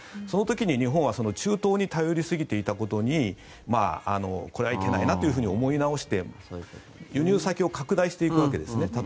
その時に日本は中東に頼りすぎていたことにこれはいけないなと思い直して輸入先を拡大していくわけですね。